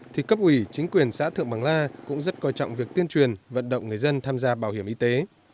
thì cấp ủy chính quyền xã thượng bằng la cũng rất coi trọng việc tuyên truyền vận động người dân tham gia bảo hiểm y tế